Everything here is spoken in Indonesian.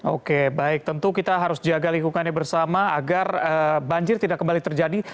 oke baik tentu kita harus jaga lingkungannya bersama agar banjir tidak kembali terjadi